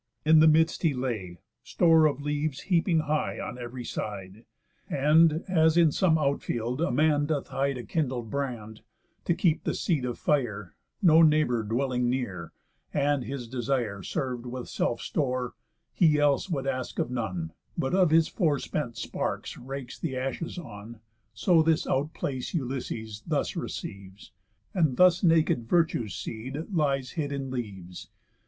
In the midst he lay, Store of leaves heaping high on ev'ry side. And as in some out field a man doth hide A kindled brand, to keep the seed of fire, No neighbour dwelling near, and his desire Serv'd with self store, he else would ask of none, But of his fore spent sparks rakes th' ashes on; So this out place Ulysses thus receives, And thus nak'd virtue's seed lies hid in leaves.